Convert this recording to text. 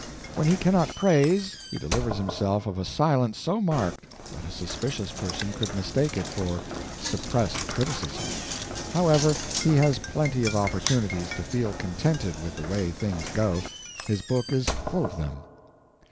When he cannot praise, he delivers himself of a silence so marked that a suspicious person could mistake it for suppressed criticism. However, he has plenty of opportunities to feel contented with the way things go—his book is full of them.